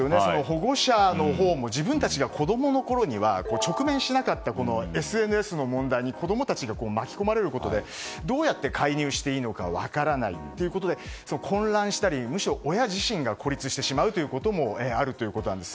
保護者のほうも自分たちが子供のころには直面しなかったＳＮＳの問題に子供たちが巻き込まれることでどうやって介入していいのか分からないということで混乱したりむしろ親自身が孤立してしまうこともあるということなんです。